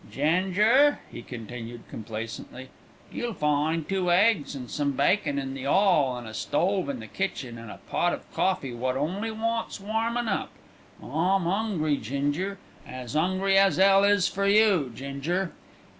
"Ginger," he continued complacently, "you'll find two eggs and some bacon in the 'all, an' a stove in the kitchen, an' a pot of coffee wot only wants warmin' up. I'm 'ungry, Ginger as 'ungry as 'ell is for you, Ginger.